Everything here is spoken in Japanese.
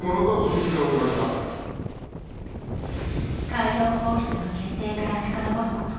海洋放出の決定からさかのぼること